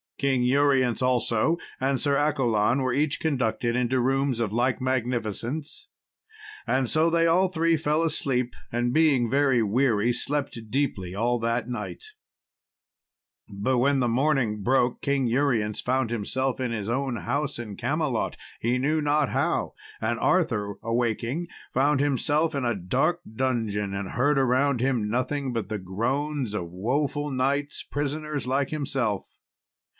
King Urience, also, and Sir Accolon were each conducted into rooms of like magnificence. And so they all three fell asleep, and being very weary slept deeply all that night. [Illustration: Came forth twelve fair damsels, and saluted King Arthur by his name.] But when the morning broke, King Urience found himself in his own house in Camelot, he knew not how; and Arthur awaking found himself in a dark dungeon, and heard around him nothing but the groans of woful knights, prisoners like himself.